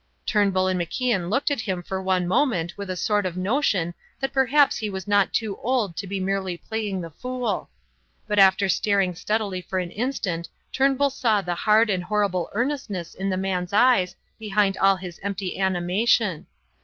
Turnbull and MacIan looked at him for one moment with a sort of notion that perhaps he was not too old to be merely playing the fool. But after staring steadily for an instant Turnbull saw the hard and horrible earnestness in the man's eyes behind all his empty animation.